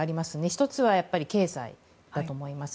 １つは経済だと思います。